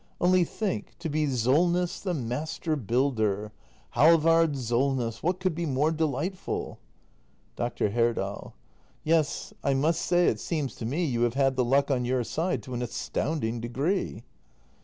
Only think — to be Solness the master builder! Halvard Solness! What could be more delightful? Dr. Herdal. Yes, I must say it seems to me you have had the luck on your side to an astounding degree.